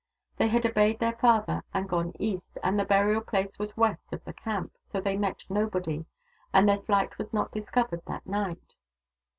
They had obeyed their father and gone east, and the burial place was west of the camp, so they met nobody, and their flight was not discovered that night.